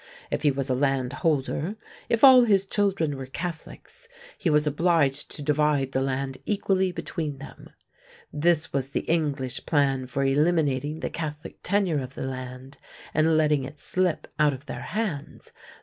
If he was a land holder, if all his children were Catholics, he was obliged to divide the land equally between them. This was the English plan for eliminating the Catholic tenure of the land and letting it slip out of their hands.